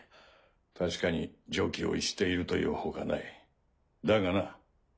確かに常軌を逸していると言う他ないだがな。